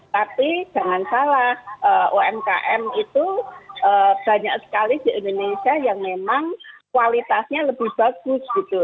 tapi jangan salah umkm itu banyak sekali di indonesia yang memang kualitasnya lebih bagus gitu